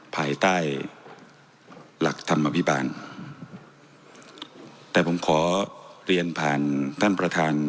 ภายใต้หลักธรรมอภิบาลแต่ผมขอเรียนผ่านท่านประธาน